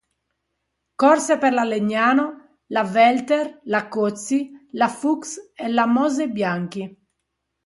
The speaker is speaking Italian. Corse per la Legnano, la Welter, la Cozzi, la Fuchs e la Mose-Bianchi.